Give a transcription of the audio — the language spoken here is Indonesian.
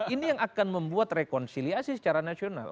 ini yang akan membuat rekonsiliasi secara nasional